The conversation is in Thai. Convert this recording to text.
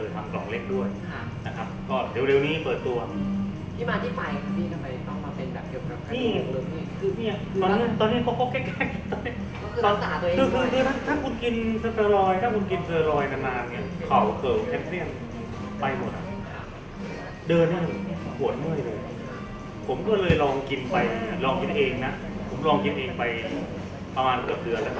ผมก็เลยลองกินไปลองกินเองนะผมลองกินเองไปประมาณเกือบเดือนแล้วก็